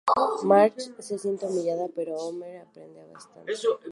Marge se siente humillada, pero Homer aprende bastante.